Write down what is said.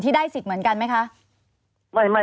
ได้สิทธิ์เหมือนกันไหมคะ